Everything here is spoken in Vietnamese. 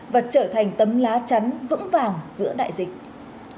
và trở thành tấm lá chắn vững vàng giữa đại dịch